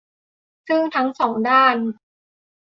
ซึ่งทั้งสองด้าน